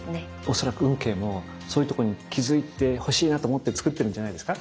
恐らく運慶もそういうとこに気付いてほしいなと思ってつくってるんじゃないですか？